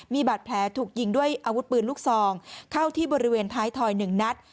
มีบาดแผลถูกยิงด้วยอาวุธปืนลูกซองเข้าที่บริเวณท้ายถอย๑นัด